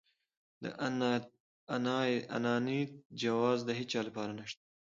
د انانيت جواز د هيچا لپاره نشته.